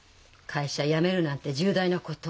会社辞めるなんて重大なこと。